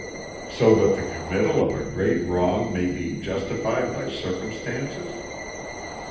"So that the committal of a great wrong may be justified by circumstances?"